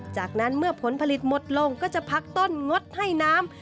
จากนั้นเมื่อผลผลิตหมดลงก็จะพักต้นงดให้น้ำ